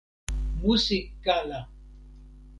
musi kala!